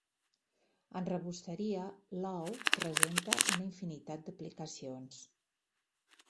En rebosteria l'ou presenta una infinitat d'aplicacions.